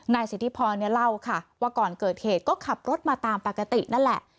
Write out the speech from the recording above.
สิทธิพรเนี่ยเล่าค่ะว่าก่อนเกิดเหตุก็ขับรถมาตามปกตินั่นแหละ